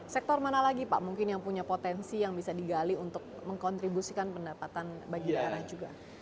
sektor mana lagi pak mungkin yang punya potensi yang bisa digali untuk mengkontribusikan pendapatan bagi daerah juga